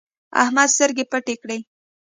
احمده سترګې پټې کړې.